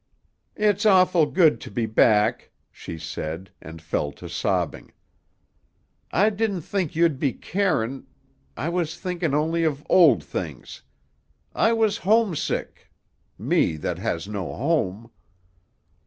"It's awful good to be back," she said, and fell to sobbing. "I didn't think you'd be carin' I was thinkin' only of old things. I was homesick me that has no home."